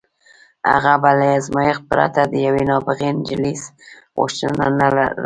هغه به له ازمایښت پرته د یوې نابغه نجلۍ غوښتنه نه ردوله